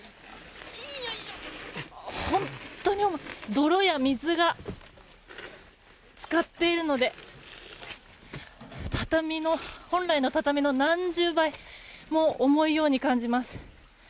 泥や水が浸かっているので本来の畳の何十倍も重いように感じます。